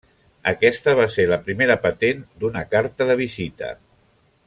Aquesta va ser la primera patent d'una carta de visita.